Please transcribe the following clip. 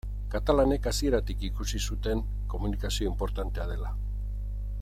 Katalanek hasieratik ikusi zuten komunikazioa inportantea dela.